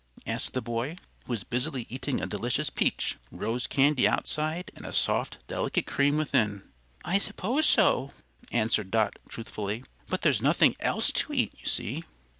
asked the boy, who was busily eating a delicious peach rose candy outside and a soft, delicate cream within. "I suppose so," answered Dot, truthfully, "but there's nothing else to eat, you see."